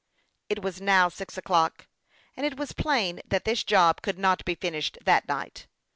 It was now six o'clock, and it was plain that this job could not be finished that night.